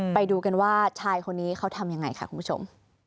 ไปดูกันว่าชายคนนี้เขาทำยังไงค่ะคุณผู้ชม